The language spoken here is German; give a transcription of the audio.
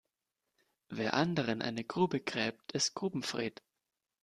Wer anderen eine Grube gräbt, ist Grubenfred.